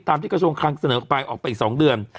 ตามที่กระชุมคลังเสนอออกไปอีก๒เดือน